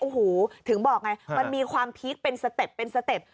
โอ้โหถึงบอกไงมันมีความพีคเป็นสเต็ปเป็นสเต็ป